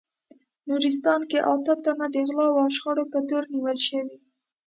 نورستان کې اته تنه د غلاوو او شخړو په تور نیول شوي